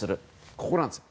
ここなんです。